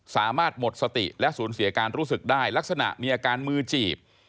สามารถหมดสติและสูญเสียการรู้สึกได้ลักษณะมีอาการมือจีบ